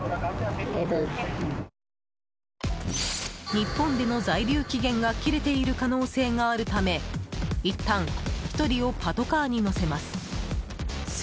日本での在留期限が切れている可能性があるためいったん１人をパトカーに乗せます。